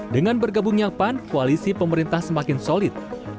dengan bergabungnya pan koalisi pemerintah semakin solid